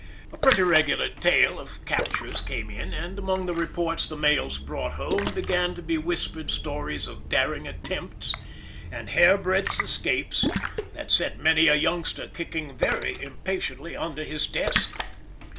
A pretty regular tale of captures came in, and among the reports the mails brought home began to be whispered stories of daring attempts, and hair breadth escapes, that set many a youngster kicking very impatiently under his desk.